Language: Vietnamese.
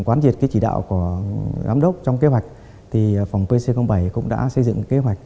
quán diệt chỉ đạo của giám đốc trong kế hoạch phòng pc bảy cũng đã xây dựng kế hoạch